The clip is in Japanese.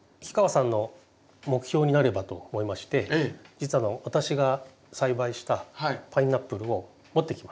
氷川さんの目標になればと思いまして実は私が栽培したパイナップルを持ってきました。